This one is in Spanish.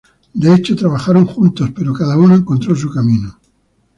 De hecho, trabajaron juntos, pero cada uno encontró su camino.